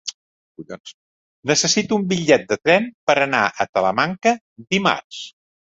Necessito un bitllet de tren per anar a Talamanca dimarts.